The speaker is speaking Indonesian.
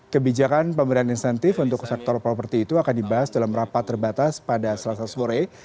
kebijakan pemberian insentif untuk sektor properti itu akan dibahas dalam rapat terbatas pada selasa sore